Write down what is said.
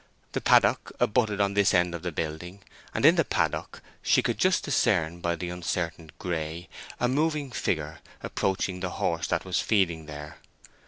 The paddock abutted on this end of the building, and in the paddock she could just discern by the uncertain gray a moving figure approaching the horse that was feeding there.